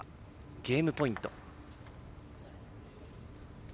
ゲームポイント。